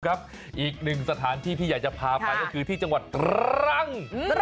อีกหนึ่งสถานที่ที่อยากจะพาไปก็คือที่จังหวัดตรัง